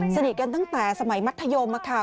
สนิทกันตั้งแต่สมัยมัธยมค่ะ